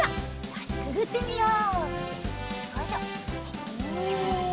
よいしょお！